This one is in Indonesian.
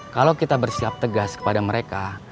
kalau kita bersiap tegas kepada mereka